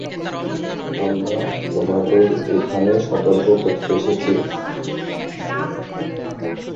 আমরা তোমাদের এখানে সর্তক করতে এসেছি।